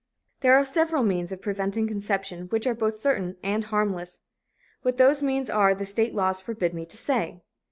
There are several means of preventing conception which are both certain and harmless. What those means are the state laws forbid me to say.